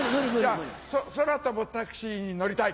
じゃ空飛ぶタクシーに乗りたい！